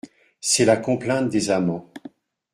C’est la complainte des amants.